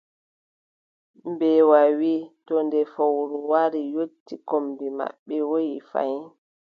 Mbeewa wii: to nde fowru wari yotti kombi maɓɓe, woyi fayin.